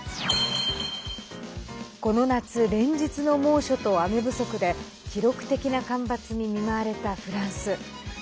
この夏、連日の猛暑と雨不足で記録的な干ばつに見舞われたフランス。